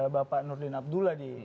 bapak nurdin abdullah di